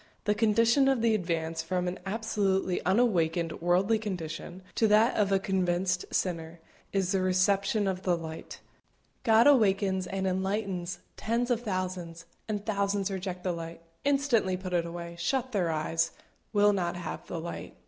The condition of the advance from an absolutely unawakened worldly condition, to that of a convinced sinner, is the reception of the light. God awakens and enlightens tens of thousands, and thousands reject the light instantly put it away shut their eyes will not have the light.